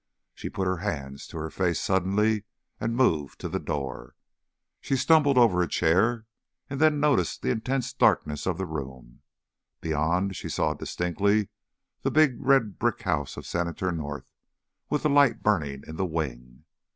She put her hands to her face suddenly, and moved to the door. She stumbled over a chair, and then noticed the intense darkness of the room. But beyond she saw distinctly the big red brick house of Senator North, with the light burning in the wing.